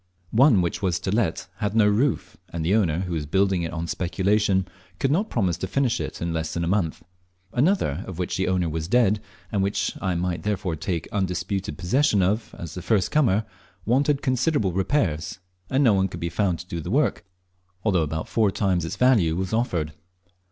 One which was to let had no roof; and the owner, who was building it on speculation, could not promise to finish it in less than a month. Another, of which the owner was dead, and which I might therefore take undisputed possession of as the first comer, wanted considerable repairs, and no one could be found to do the work, although about four times its value was offered.